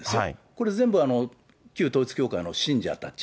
これ全部、旧統一教会の信者たち。